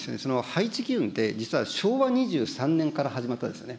配置基準って、実は昭和２３年から始まったんですね。